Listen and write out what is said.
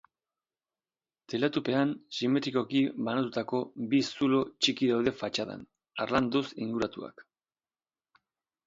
Teilatupean, simetrikoki banatutako bi zulo txiki daude fatxadan, harlanduz inguratuak.